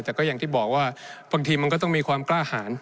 แต่ก็อย่างที่บอกว่าบางทีมันก็ต้องมีความกล้าหาร